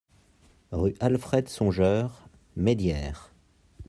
Rue Alfred Songeur, Maidières